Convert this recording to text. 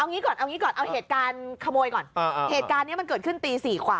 งี้ก่อนเอางี้ก่อนเอาเหตุการณ์ขโมยก่อนเหตุการณ์นี้มันเกิดขึ้นตี๔กว่า